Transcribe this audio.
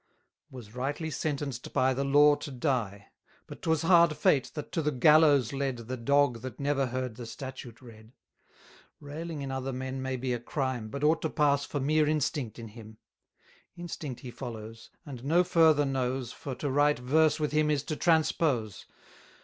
Was rightly sentenced by the law to die; But 'twas hard fate that to the gallows led The dog that never heard the statute read. 440 Railing in other men may be a crime, But ought to pass for mere instinct in him: Instinct he follows, and no further knows, For to write verse with him is to transpose.